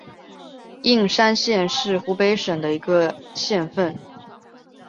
应山县是湖北省的一个县份。